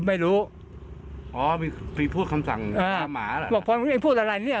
ไม่รู้อ๋อมีพูดคำสั่งอ่าหมาอะไรบอกพอมึงไปพูดอะไรเนี่ย